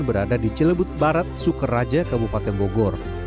berada di cilebut barat sukaraja kabupaten bogor